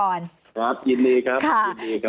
ครับยินดีครับ